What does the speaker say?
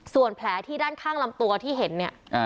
ส่วนแผลที่ด้านข้างลำตัวที่เห็นเนี่ย